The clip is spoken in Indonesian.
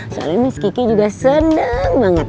soalnya miss kiki juga seneng banget